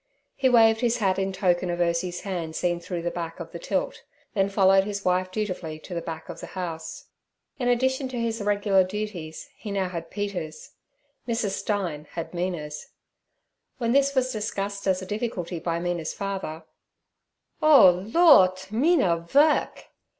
He waved his hat in token of Ursie's hand seen through the back of the tilt, then followed his wife dutifully to the back of the house. In addition to his regular duties he now had Peter's—Mrs. Stein had Mina's. When this was discussed as a difficulty by Mina's father, 'Oh, Lordt! Mina vork!'